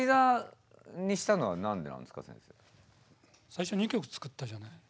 最初２曲作ったじゃない？